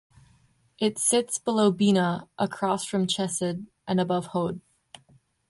It sits below Binah, across from Chesed, and above Hod.